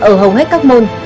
ở hầu hết các môn